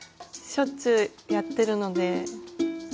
しょっちゅうやってるので。